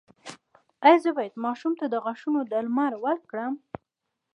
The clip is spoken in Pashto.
ایا زه باید ماشوم ته د غاښونو درمل ورکړم؟